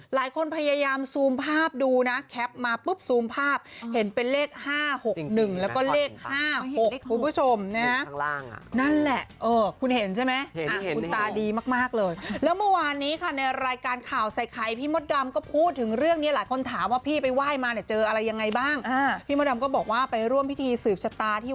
หลายคนพยายามซูมภาพดูนะแคปมาปุ๊บซูมภาพเห็นเป็นเลขห้าหกหนึ่งแล้วก็เลขห้าหกคุณผู้ชมเนี้ยข้างล่างอ่ะนั่นแหละเออคุณเห็นใช่ไหมเห็นคุณตาดีมากมากเลยแล้วเมื่อวานนี้ค่ะในรายการข่าวใส่ขายพี่มดดำก็พูดถึงเรื่องเนี้ยหลายคนถามว่าพี่ไปไหว้มาเนี้ยเจออะไรยังไงบ้างอ่าพี่มดดำก็บอกว่าไปร่วมพิ